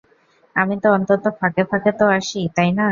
আমি তো অন্তত ফাঁকে ফাঁকে তো আসি, তাই না?